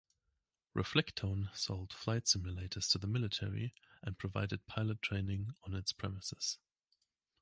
Reflectone sold flight simulators to the military and provided pilot training on its premises.